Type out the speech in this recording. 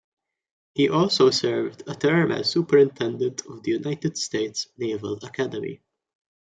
He also served a term as Superintendent of the United States Naval Academy.